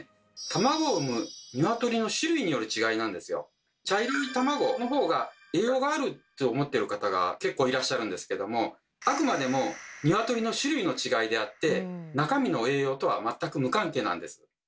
３０年茶色い卵のほうが栄養があると思ってる方が結構いらっしゃるんですけどもあくまでも鶏の種類の違いであって中身の栄養とは全く無関係なんです。